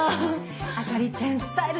朱里ちゃんスタイル